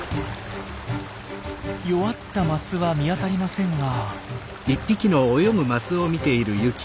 弱ったマスは見当たりませんが。